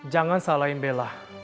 jangan salahin bella